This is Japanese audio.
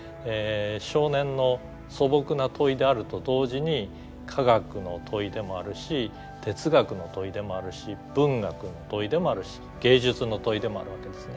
少年の素朴な問いであると同時に科学の問いでもあるし哲学の問いでもあるし文学の問いでもあるし芸術の問いでもあるわけですね。